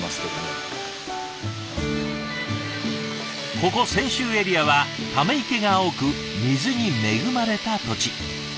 ここ泉州エリアはため池が多く水に恵まれた土地。